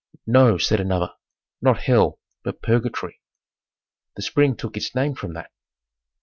"No," said another, "Not Hell, but Purgatory." The spring took its name from that.